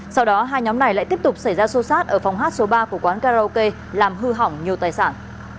sau đó hai nhóm này lại tiếp tục xảy ra xô xát ở phòng hát số ba của quán karaoke làm hư hỏng nhiều tài sản